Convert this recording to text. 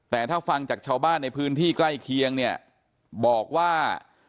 แต่ถ้าฟังจากชาวบ้านในพื้นที่ใกล้เคียงเนี่ยบอกว่า